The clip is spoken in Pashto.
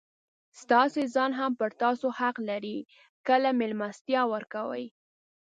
ستاسي ځان هم پر تاسو حق لري؛ کله مېلمستیا ورکوئ!